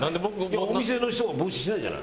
お店の人が帽子してないじゃない。